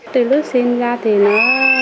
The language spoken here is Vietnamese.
từ lúc sinh ra thì nó